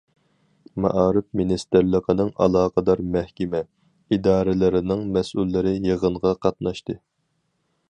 مائارىپ مىنىستىرلىقىنىڭ ئالاقىدار مەھكىمە، ئىدارىلىرىنىڭ مەسئۇللىرى يىغىنغا قاتناشتى.